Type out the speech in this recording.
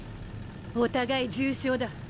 お互い重傷だ。